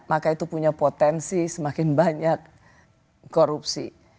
maka itu punya potensi semakin banyak korupsi